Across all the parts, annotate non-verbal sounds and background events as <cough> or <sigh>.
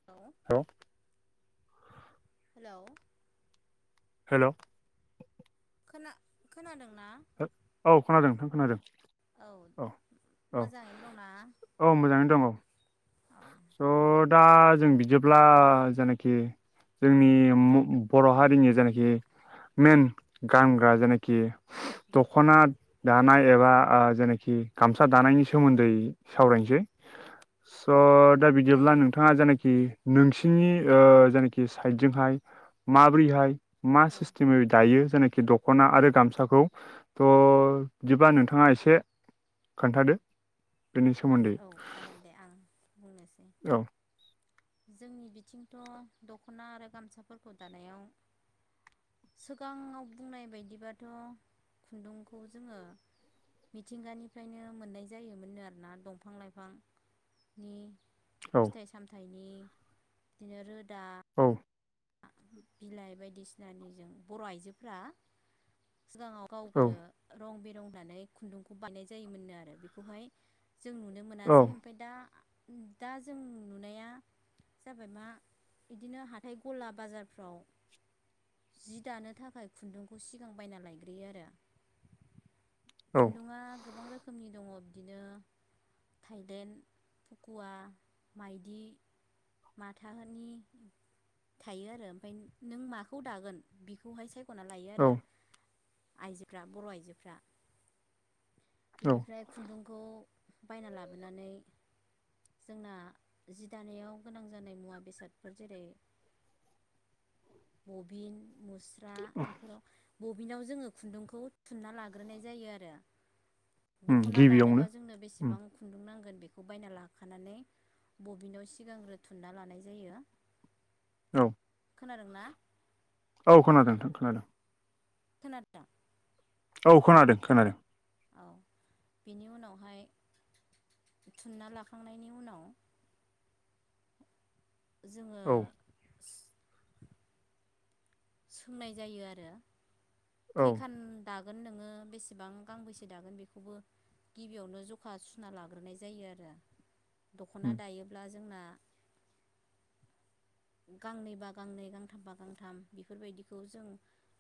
<inaudible> हेल' hello hello खोना-खोनादों ना? औ खोनादों नोंथां खोनादों। औ औ मोजाङैनो दंना। औ मोजाङैनो दं औ औ दे। स' दा जों बिदिब्ला जायनाखि जोंनि बर' हारिनि जायनाखि मेन गानग्रा जेनाखि दं दखना दानाय ओं एबा जेनाखि गामसा दानायनि सोमोन्दै सावरायनोसै। <inaudible> स' दा बिदिब्ला दायो नोंथाङा जेनाखि नोंसिनि ओ जेनाखि साइदजोंहाय माब्रैहाय मा औ सिसथिम दायो जेनाखि दख'ना आरो गामसाखौ थ' बिदिबा नोंथाङा एसे खोन्थादो बेनि सोमोन्दै औ जागोन दे आं बुंनोसै औ जोंनि बिथिंथ' दख'ना आरो गामसाफोरखौ दानायाव सोगाङाव बुंनाय बायदिबाथ' खुन्दुंखौ जोङो मिथिंगानिफ्रायनो मोननाय जायोमोननो आरोना दंफां लाइफां नि औ थाइ सामथाइनि बिदिनो रोदा औ बिलाइ बायदिसिनानि जों बर' आइजोफ्रा सिगाङाव गाव <unintelligible> औ रं बेरं दानाय खुन्दुंखौ बायनाय जायोमोननो आरो बेखौहाय जों नुनो औ मोनासै फाय दा दा जों नुनाया जाबाय मा इदिनो हाथाय गला बाजारफ्राव जि दानो थाखाय खुन्दुंखौ सिगां बायना लायग्रोयो आरो औ खुन्दुङा गोबां रोखोमनि दङ बिदिनो थाइदेण्ड फुकुवा माइदि माथाहोनि थायो आरो ओमफाय नों माखौ दागोन बिखौहाय सायख'ना लायो औ आरो आइजोफ्रा बर' आइजोफ्रा औ बिनिफ्राय खुन्दुंखौ बायना लाबोनानै जोंना जि दानायाव गोनां जानाय मुवा बेसादफोर जेरै बबिन मुस्रा एफोराव बबिनाव जोङो खुन्दुंखौ थुनना लाग्रोनाय जायो आरो उम दख'ना गिबियावनो दानोबा जोंनो उम बेसेबां खुन्दुं नांगोन बेखौ बायना लाखानानै बबिनाव सिगांग्रो थुनना लानाय जायो औ खोनादों ना? औ खोनादों नोंथां खोनादों <unintelligible> औ खोनादों खोनादों औ बिनि उनावहाय थुनना लाखांनायनि उनाव जोङो औ <unintelligible> सोंनाय जायो आरो औ खैखान दागोन नोङो बेसेबां गांबैसे दागोन बेखौबो गिबियावनो जखा सुना लाग्रोनाय जायो आरो दख'ना उम दायोब्ला जोंना <inaudible> गांनै बा गांनै गांथाम बा गांथाम बेफोरबायदिखौ जों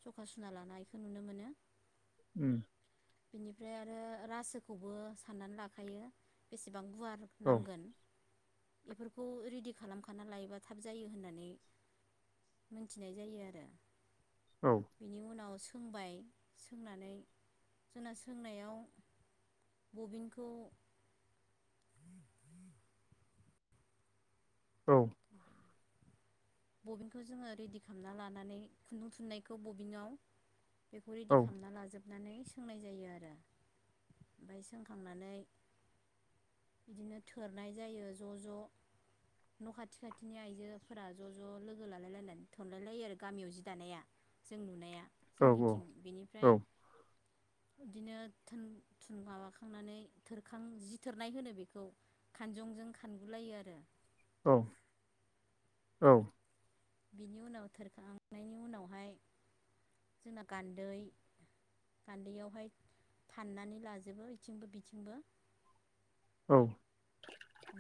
सखा सुना लानाय खो नुनो मोनो उम बिनिफ्राय आरो रासोखौबो साननानै लाखायो बेसेबां गुवार औ नांगोन इफोरखौ रेडि खालामखाना लायोबा थाब जायो होननानै मोनथिनाय जायो आरो औ बिनि उनाव सोंबाय सोंनानै जोंना सोंनायाव बबिनखौ औ <unintelligible> बबिनखौ जोङो रेडि खालामना लानानै खुन्दुं थुननायखौ बबिनाव बेखौ रेडि औ खालामना लाजोबनानै सोंनाय जायो आरो ओमफाय सोंखांनानै बिदिनो थोरनाय जायो ज' ज' न' खाथि खाथिनि आइजोफोरा ज' ज' लोगो लालाय लायनानै थनलाय लायो आरो गामियाव जि दानाया जों नुनाया औ जोंनिथिं औ बेनिफ्राय बिदिनो थ थुन माबाखांनानै थोरखां जि थोरनाय होनो बेखौ खानजंजों खानगुलायो आरो। औ औ। बिनि उनाव थोरखांनायनि उनावहाय जोंना गान्दै गान्दैयावहाय फाननानै लाजोबो बेथिंबो बिथिंबो औ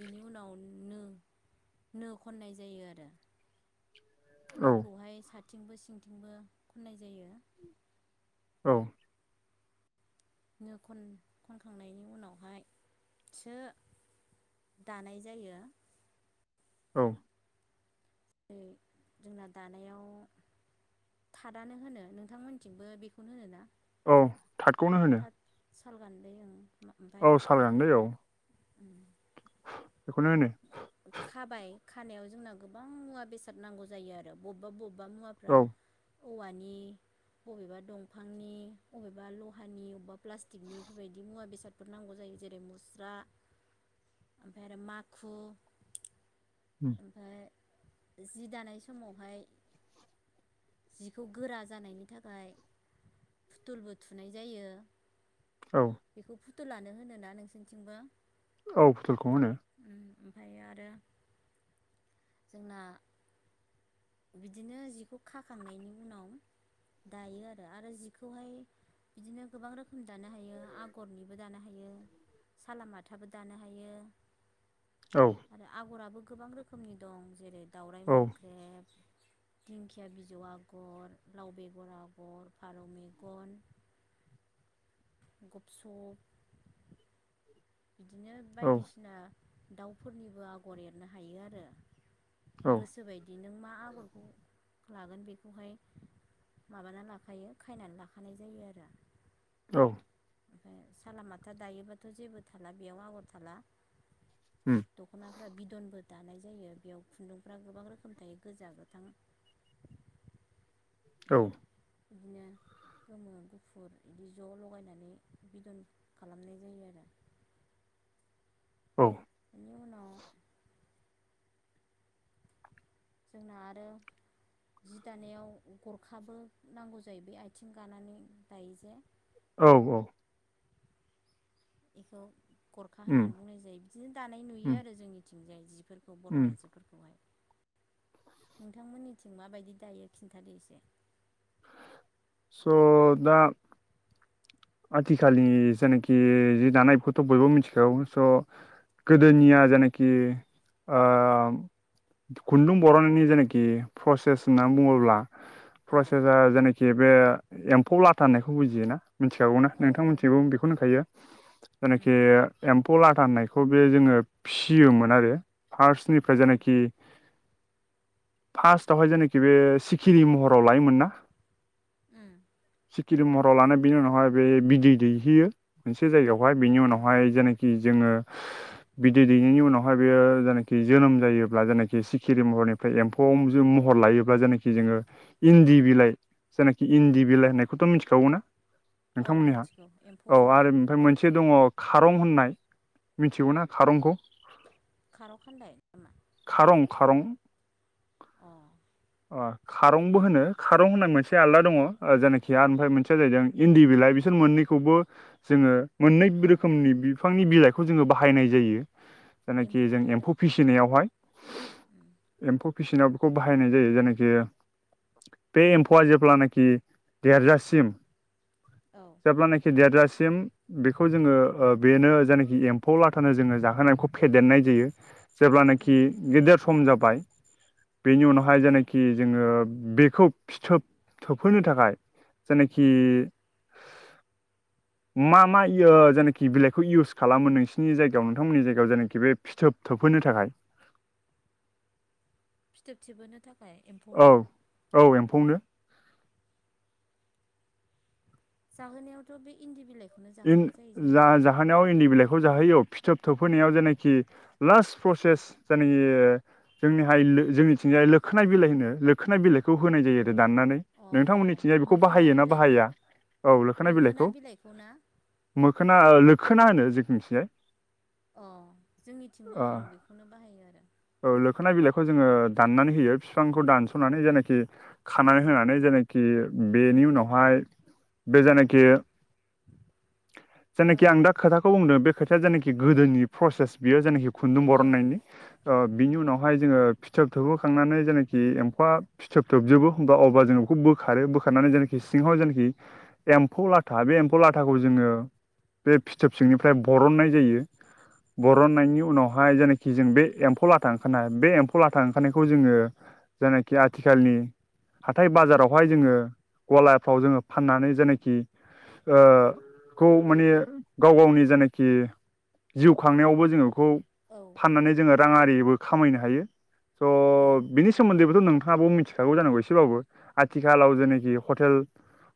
बिनि उनाव नो नो खननाय जायो आरो। औ नोखौहाय साथिंबो सिंथिंबो खननाय जायो। औ। नो खन खनखांनायनि उनावहायसो दानाय जायो औ <unintelligible> जोंना दानायाव थादानो होनो नोंथांमोनथिंबो बेखौनो होनोना। औ थाथखौनो होनो थाद साल गान्दै ओं ओमफ्राय औ साल गान्दै औ उम। बेखौनो होनो खाबाय खानायाव जोंना गोबां मुवा बेसाद नांगौ जायो आरो बबेबा बबेबा मुवा फ्रा औ औवानि बबेबा दंफांनि बबेबा लहानि अबेबा प्लास्टिकनि बेफोरबायदि मुवा बेसाद बेफोर नांगौ जायो जेरै मुस्रा <inaudible> ओमफ्राय आरो माखु <unintelligible> ओमफ्राय जि दानाय समावहाय जिखौ गोरा जानायनि थाखाय फुथुलबो थुनाय जायो। औ। बेखौ फुथु लानो होनोोना नोंसोरनिथिंबो। औ फुटुलखौ होनो। उम ओमफ्राय आरो। जोंना बिदिनो जिखौ खाखांनायनि उनाव दायो आरो आरो जिखौहाय बिदिनो गोबां रोखोम दानो हायो आगरनिबो दानो हायो। सालामलामाथाबो दानो हायो औ। आरो आगराबो गोबां रोखोमनि दं जेरै दावराइ औ मोख्रेब दिंखिया बिज आगर लाव बेगर आगर फारौ मेगन गुपसुप बिदिनो औ बायदिसिना दाउफोरनिबो आगर एरनो हायो आरो। औ गोसोबायदि नों मा आगरखौ लागोन बेखौहाय माबानानानै लाखायो खायनानै लाखानाय जायो आरो। औ ओमफ्राय सालालामाथा दायोबाथ' जेबो थाला बेयाव आगर थाला उम दख'ना बिदनबो दानाय जायो बेयाव खुन्दुंफ्रा गोबां रोखोम थायो गोजा गोथां। औ बिदिनो गोमो गुफुर बिदि ज' लगायनानै बिदन। खालामनाय जायो आरो। औ बेनि उनाव जोंना आरो। जि दानायाव गरखाबो नांगौ जायो। बे आथिं गानानै दायो जे। औ औ। बेखौ गरखा उम होननानै बुंनाय जायो। बिदिनो दानाय नुयो उम आरो जोंनिथिंजाय जिफोर खौ बर' उम आइजोफोरखौहाय। नोंथांमोननिथिं माबायदि दायो खिन्थादो एसे। स' दा आथिखालनि जेनाखि जि दानायखौथ' बयबो मिथिखागौ। स' गोदोनिया जेनाखि ओ खुन्दुं बर'ननायनि जेनाखि प्रसेस होननानै बुङोब्ला औ प्रसेसा जेनाखि बे एम्फौ लाथा होननायखौ बुजियोना? मिथिखागौना औ नोंथां औ मोनथिंबो बेखौनो होनखायो। उम जानाखि एम्फौ लाथा होननायखौ बे जोङो फिसियोमोन आरो फार्स्टनिफ्राय ओं जानाखि फार्स्टआवहाय जेनाखि बे सिखिरिनि महराव लायोमोनना। उम। सिकिरि महराव लानो बेनि उनावहाय बे बिदै दैहैयो मोनसे जायगायावहाय बिनि अं उनावहाय जेना खि जोङो बिदै दैनायनि उनावहाय बेयो जेनोखि जोनोम जायोब्ला जेनाखि सिखिरि महरनि फ्राय एम्फौआव महर लायोब्ला जायनाखि जोङो इन्दि बिलाइ जायनाखि इन्दि बिलाइ होननायखौथ' मिथिखागौ ना औ नोंथांमोननिहा? मिथिगौ एम्फौ औ जाग्रा आरो ओमफ्राय मोनसे दङ खारं होननाय मिथिगौ ना खारंखौ? खार' खानदाय नामा? खारं खारं। अ <inaudible> खारंबो होनो खारं होननाय मोनसे आलदा दङ जायनाखि ओमफ्राय मोनसेया जाहैदों इन्दि बिलाइ बिसोर मोननै खौबो जोङो मोननै अ रोखोमनि बिफांनि बिलाइखौ जोङो बाहायनाय जायो। जायनाखि जों एम्फौनो आरो एम्फौ फिसि फिसिनायावहाय। उम एम्फौ फिसिनायाव बेखौ बाहायनाय जायो जायनाखि बे एम्फौआ जेब्लानाखि देरजासिम औ। जेब्लानाखि देरजासिम बेखौ जोङो बेनो जायनाखि एम्फौ लाथानो जोङो जाहोनायखौ फेदेरनाय जायो। जेब्लानाखि उम गेदेर सम जाबाय, बेनि उनावहाय ओं जेनाखि जोङो बेखौ फिथोब थोबहोनो थाखाय जायनाखि ओं मा मा इ ओ जायनाखि बिलाइखौ इउस खालामो नोंसिनि जायगायाव नोंथांमोननि जायगायाव जेनोखि पि फिथोब थोबहैनो थाखाय। फिथोब थोबहोनो थाखाय औ एम्फौनो? औ एम्फौनो। जाहोनायावथ' बे इन्दि बिलाइ सिम जा-जाहोनायाव इन्दि बिलाइखौ जाहोयो फिथोब थोबफैनायाव जेनाखि लास्ट प्रसेस जायनाखि जोंनिहाय लो जोंनिथिंजाय लोखोना बिलाइ होनो लोखोना बिलाइखौ होनाय जायो आरो दाननानै। अ अ नोंथांमोननिथिंजाय बेखौ मोखोना बाहायो ना बाहाया औ लोखाना बिलाइखौ? बिलाइखौना? मोखोना लोखोना होनो जोंनिथिंजाय। अ जोंनिथिंबो ओं बेखौनो बाहायो आरो। औ लोखोना बिलाइखौ जोङो दाननानै होयो। बिफांखौ दानस'नानै जायनाखि खानानै होनानै जेनाखि बेनि उनावहाय बे जायनाखि <inaudible> <inaudible> औ जेनाखि आं दा खोथाखौ बुंदों बे खोथाया जेनाखि गोदोनि प्रसेस बियो जेनाखि खुन्दुं ओं बरननायनि। ओ बिनि उम उनावहाय जोङो फिथोब थोबहोखांनानै जेनाखि एम्फौआ फिथोब थोबजोबो होमबा अब्ला जों बेखौ बोखारो बोखारनानै जेनाखि सिङाव जेनाखि एम्फौ लाथा बे एम्फौ लाथ थाखौ जोङो बे फिथोब सिंनिफ्राय बरननाय जायो औ बरननायनि उनाव हाय जायनाखि जे बे एम्फौ लाथा ओंखारनाय बे एम्फौ लाथा ओंखारनायखौ जोङो जायनाखि आथिखालनि हाथाय बाजारावहाय जोङो गलाफ्राव जोङो फाननानै जेनाखि ओ खौ माने गाव-गावनि जेनाखि जिउ खांनायावबो जोङो बेखौ औ फाननानै जोङो राङारिबो खामायनो हायो हायो स' बिनि सोमोन्दैबोथ' नोंथाङाबो मिथिखागौ जानांगौ एसेबाबो आथिखालाव जेखि हटेल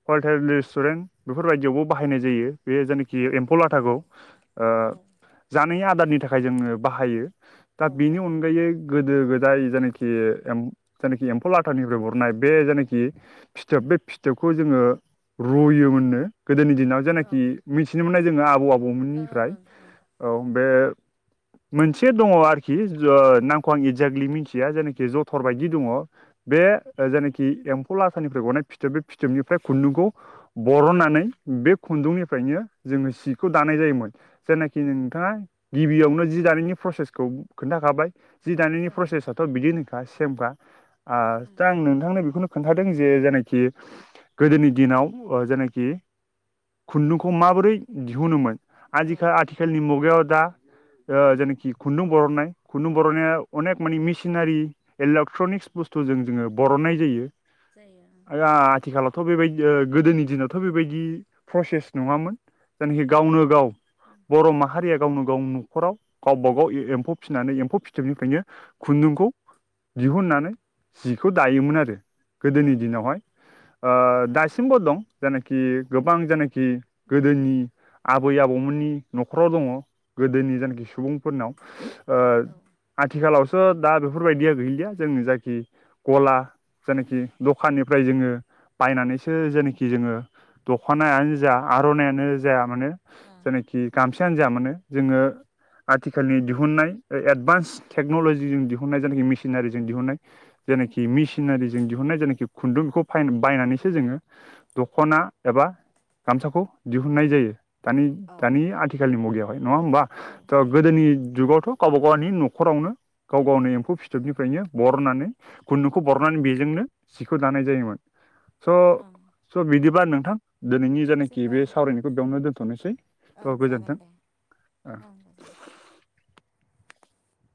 हलटेल रेस्टुरेन्ट बेफोरबायदियावबो बाहायनाय जायो बे जानाखि औ एम्फौ लाथाखौ ओ औ जानाय आदारनि थाखाय जोङो बाहायो दा औ बेनि बाहायो अनगायै गोदो गोदाय जेनिखि एम जेनोखि एम्फौ लाथानिफ्राय बरननाय बे जेनोखि फिथोब बे फिथोबखौ जोङो रुयोमोननो। गोदोनि दिनाव जेनाखि ओं मिथिनो मोननाय जोङो आबौ ओं -आबौमोननिफ्राय ओं ओं औ बे मोनसे दङ आरोखि ओ नामखौ आं एक्जेक्टलि मिथिया जेनाखि जथर बायदि दङ। बे जायनाखि एम्फौ लाथानिफ्राय गनाय फिथोब बे फिथोबनिफ्राय खुन्दुंखौ बरननानै दरननाय बे उम खुन्दुंनिफ्रायनो जोङो सिखौ दानाय जायोमोन। जायनाखि उम नोंथाङा गिबियावनो जि दानायनि प्रसेसखौ खोन्थाखाबाय जि दानायनि ओं प्रसेसा थ' बिदिनोखा सेमखा आ उम दा आं नोंथांनो बेखौनो खोन्थादों जे जायनाखि गोदोनि दिनाव जायनाखि खुन्दुंखौ माबोरै दिहुनोमोन औ आजिखा आथिखालनि मुगायाव दा ओ जेनोखि खुन्दुं बरननाय खुन्दुं बरनाया अनेक मानि मेसिनारि इलेक्ट्रनिक्स बुस्थुजों जोङो बरननाय जायो। जायो ओ। दा आथिखालावथ' बेबायदि ओ गोदोनि दिनावथ' बेबायदि प्रसेस नङामोन। जायनाखि गावनो नङामोन गाव। बर' माहारिया गावनो गाव न'खराव गावबा गाव एम्फौ फिसिनानै एम्फौ फिथोबनिफ्रायनो खुन्दुंखौ उम दिहुननानै जिखौ दायोमोन आरो। गोदोनि ओं दिनावहाय ओ ओं दासिमबो दं जेनाखि गोबां जेनाखि। दं गोदोनि आबै आबौमोननि न'खराव दङ गोदोनि जायनाखि सुबुंफोरनाव ओ औ आथिखालावसो दा बेफोरबायदिया गैलिया जों जाखि गला जेनाखि दखाननिफ्राय जोङो बायनानैसो जेनाखि जोङो। दखनायानो जा आर'नायानो जाया मानो ओं जायनाखि गामसायानो जा मानो जोङो आथिखालनि दिहुननाय एडभान्स टेक्न'लजिजों दिहुननाय जायखि मेसिनारिजों दिहुननाय। जेनाखि मेसिनारिजों दिहुननाय जेनाखि खुन्दुंखौ फाय बायनानैसो जोङो दखना एबा गामसाखौ दिहुनन्नाय जायो औ दानि-दानि आथिखालनि मुगायावहाय नङा होमबा। औ थ' जायो गोदोनि जुगावथ' गावबा गावनि न'खरावनो। गाव गावनो एम्फौ फिथोबनिफ्रायनो बरननानै खुन्दुंखौ बरनानै बेजोंनो सिखौ दानाय जायोमोन ओं स-स बिदिबा नोंथां दिनैनि जायनाखि बे ओं सावरायनायखौ बेयावनो दोनथ'नोसै ओं थ गोजोनथों जागोन दे ओ। ओं गोजोन्थों